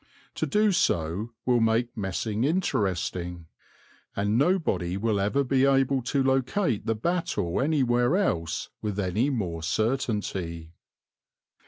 To do so will make Messing interesting, and nobody will ever be able to locate the battle anywhere else with any more certainty.